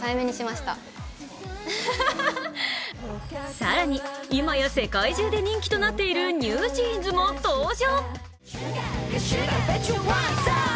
更に今や世界中で人気となっているＮｅｗＪｅａｎｓも登場。